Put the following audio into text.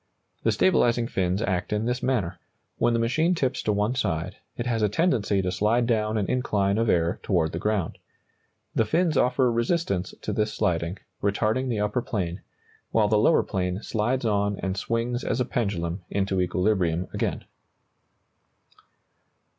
The stabilizing fins act in this manner: when the machine tips to one side, it has a tendency to slide down an incline of air toward the ground. The fins offer resistance to this sliding, retarding the upper plane, while the lower plane slides on and swings as a pendulum into equilibrium again.